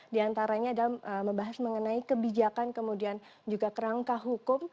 diantaranya ada membahas mengenai kebijakan kemudian juga kerangka hukum